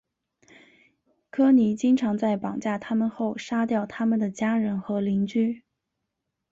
科尼经常在绑架他们后杀掉他们的家人和邻居。